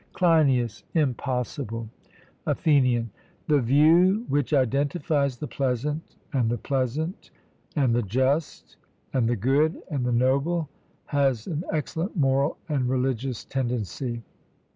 CLEINIAS: Impossible. ATHENIAN: The view which identifies the pleasant and the pleasant and the just and the good and the noble has an excellent moral and religious tendency.